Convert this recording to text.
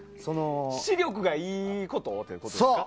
視力がいいことをってことですか？